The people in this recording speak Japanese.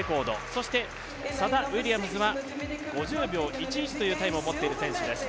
そしてサダ・ウィリアムズは５０秒１１というタイムを持っている選手です。